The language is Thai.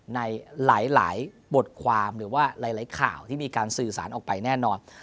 ในหลายบทความหรือว่าหลายข่าวที่มีการสื่อสารออกไปแน่นอน